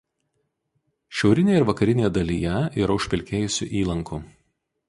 Šiaurinėje ir vakarinėje dalyje yra užpelkėjusių įlankų.